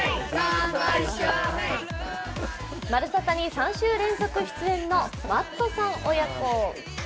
「まるサタ」に３週連続出演のマットさん親子。